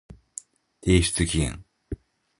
提出期限